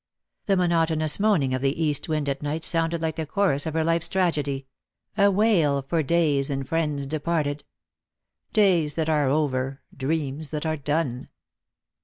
The monotonous moaning of the east wind at night sounded like the chorus of her life's tragedy — a wail for days and friends departed, " Days that are over, dreams that are done."